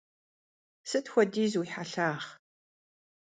Sıt xuediz yi helhağ?